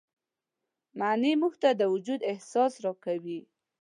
معنی موږ ته د وجود احساس راکوي.